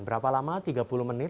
berapa lama tiga puluh menit